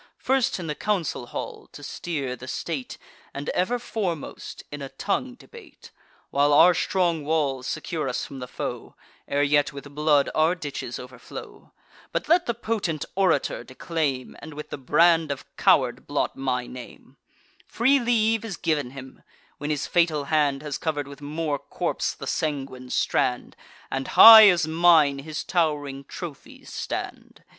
First in the council hall to steer the state, And ever foremost in a tongue debate, While our strong walls secure us from the foe, Ere yet with blood our ditches overflow: But let the potent orator declaim, And with the brand of coward blot my name; Free leave is giv'n him, when his fatal hand Has cover'd with more corps the sanguine strand, And high as mine his tow'ring trophies stand.